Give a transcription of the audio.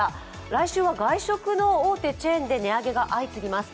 来週は外食の大手チェーンで値上げが相次ぎます。